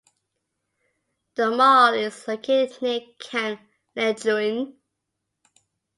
The mall is located near Camp Lejeune.